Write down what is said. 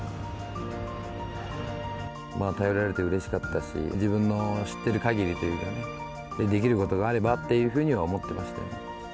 頼られてうれしかったし、自分の知ってるかぎりというかね、できることがあればっていうふうには思ってました。